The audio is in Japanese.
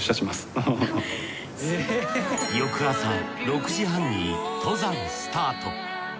翌朝６時半に登山スタート。